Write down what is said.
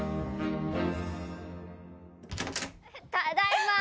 ただいま！